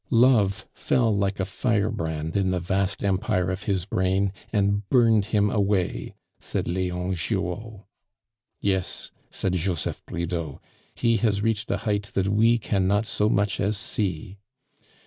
"Love fell like a firebrand in the vast empire of his brain and burned him away," said Leon Giraud. "Yes," said Joseph Bridau, "he has reached a height that we cannot so much as see."